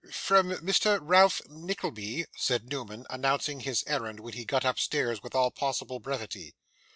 'From Mr. Ralph Nickleby,' said Newman, announcing his errand, when he got upstairs, with all possible brevity.